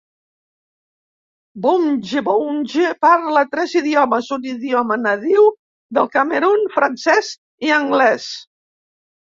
Boumtje-Boumtje parla tres idiomes: un idioma nadiu del Camerun, francès i anglès.